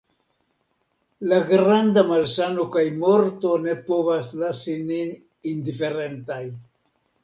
La granda malsano kaj morto ne povas lasi nin indiferentaj.